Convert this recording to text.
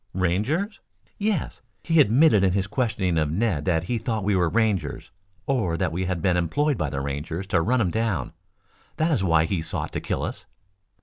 "Rangers?" "Yes. He admitted in his questioning of Ned that he thought we were Rangers, or that we had been employed by the Rangers to run him down. That is why he sought to kill us."